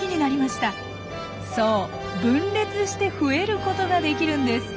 そう分裂して増えることができるんです。